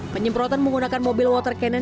penyemprotan menggunakan mobil water cannon